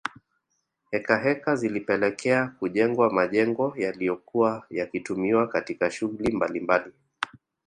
Heka heka zilipelekea kujengwa majengo yaliyokuwa yakitumiwa katika shughuli mbalimbali